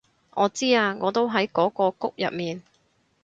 我知啊我都喺嗰個谷入面